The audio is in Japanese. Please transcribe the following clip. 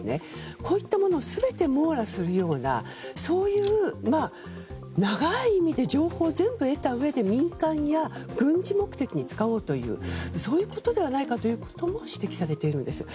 こういったものを全て網羅するようなそういう長い意味での情報を全部得たうえで民間や軍事目的に使おうというそういうことではないかと指摘されているんです。